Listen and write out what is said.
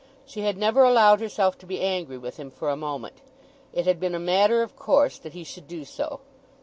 She had never allowed herself to be angry with him for a moment. It had been a matter of course that he should do so.